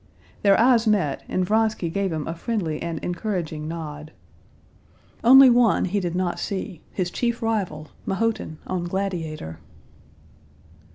Their eyes met, and Vronsky gave him a friendly and encouraging nod. Only one he did not see, his chief rival, Mahotin on Gladiator.